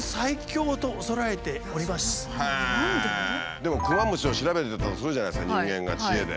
でもクマムシを調べていったとするじゃないですか人間が知恵で。